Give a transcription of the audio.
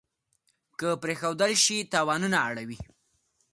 که پرېښودل شي تاوانونه اړوي.